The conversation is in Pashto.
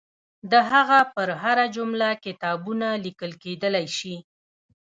د هغه پر هره جمله کتابونه لیکل کېدلای شي.